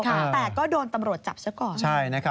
แต่ก็โดนตำรวจจับเฉพาะ